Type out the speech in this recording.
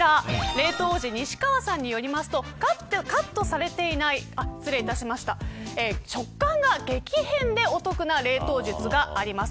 冷凍王子、西川さんによりますと食感が激変でお得な冷凍術があります。